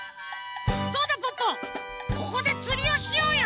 そうだポッポここでつりをしようよ！